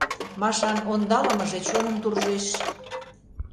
Машан ондалымыже чоным туржеш.